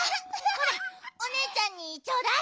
ほらおねえちゃんにちょうだい。